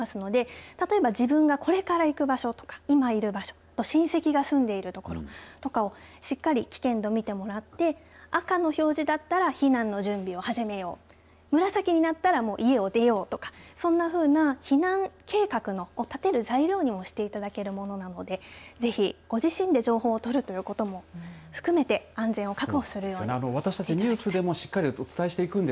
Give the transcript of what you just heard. これがリアルタイムで更新されていきますので例えば自分がこれから行く場所とか今いる場所親戚が住んでいる所とかをしっかり危険度、見てもらって赤の表示だったら避難の準備を始めよう紫になったらもう家を出ようとかそんなふうな避難計画の立てる材料にもしていただけるものなのでぜひご自身で情報を取るということも含めて安全を確保するようにしていただきたい。